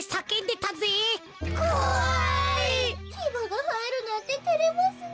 きばがはえるなんててれますね。